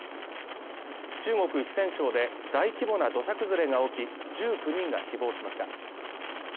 中国四川省で大規模な土砂崩れが起き、１９人が死亡しました。